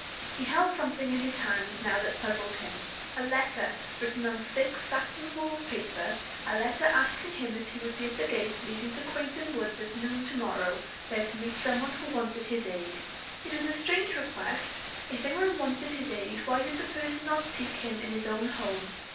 He held something in his hands now that puzzled him a letter written on thick satin wove paper a letter asking him if he would be at the gate leading to Quainton woods at noon to morrow, there to meet some one who wanted his aid. It was a strange request. If any one wanted his aid, why did the person not seek him in his own home?